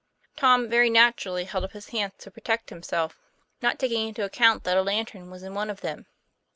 Tom very naturally held up his hands to protect him self, not taking into account that a lantern was in one of them.